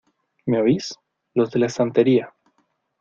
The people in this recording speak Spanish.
¿ Me oís? Los de la estantería